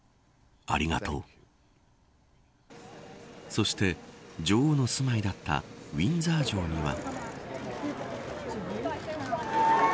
そして、女王の住まいだったウィンザー城には。